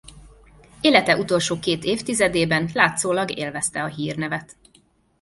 Élete utolsó két évtizedében látszólag élvezte a hírnevet.